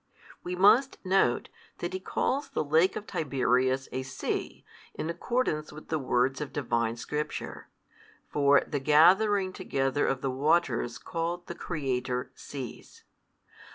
We must note, that he calls the Lake of Tiberias a sea, in accordance with the words of Divine Scripture, for the gathering together of the waters called the Creator Seas.